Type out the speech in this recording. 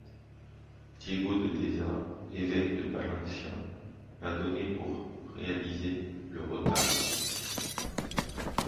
Diego de Deza, évêque de Palencia, a donné pour réaliser le retable.